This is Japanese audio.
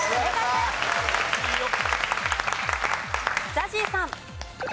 ＺＡＺＹさん。